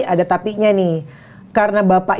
ada tapi nya nih karena bapak